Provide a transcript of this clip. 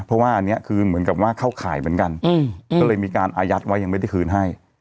เพราะว่าอันนี้คือเหมือนกับว่าเข้าข่ายเหมือนกันก็เลยมีการอายัดไว้ยังไม่ได้คืนให้